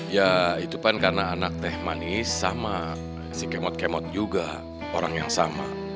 ya itu kan karena anak teh manis sama si kemot kemot juga orang yang sama